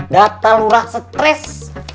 data lurah stres